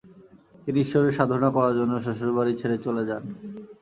তিনি ঈশ্বরের সাধনা করার জন্য শ্বশুর বাড়ি ছেড়ে চলে যান।